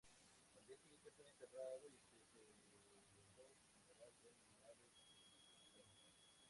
Al día siguiente fue enterrado y se celebró funeral en Linares, su ciudad natal.